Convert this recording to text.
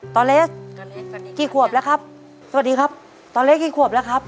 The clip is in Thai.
อเล็กกี่ขวบแล้วครับสวัสดีครับตอนเล็กกี่ขวบแล้วครับ